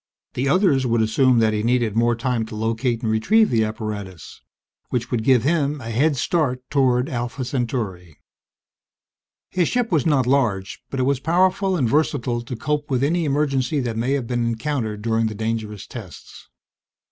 The others would assume that he needed more time to locate and retrieve the apparatus which would give him a head start toward Alpha Centauri. His ship was not large, but it was powerful and versatile to cope with any emergency that may have been encountered during the dangerous tests.